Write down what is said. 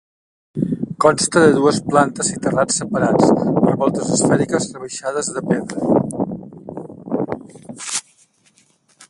Consta de dues plantes i terrat separats per voltes esfèriques rebaixades de pedra.